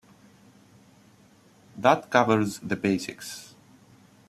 That covers the basics.